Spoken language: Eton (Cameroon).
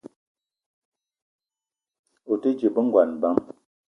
O te dje be ngon bang ?